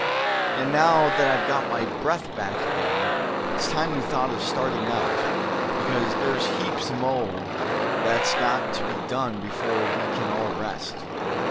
And now that I've got my breath back again, it's time we thought of starting out; because there's heaps mo' that's got to be done before we c'n call a rest."